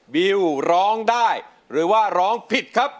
วิวร้องได้หรือว่าร้องผิดครับ